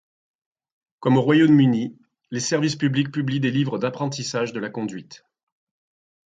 Comme au Royaume-Uni, les services publics publient des livres d'apprentissage de la conduite.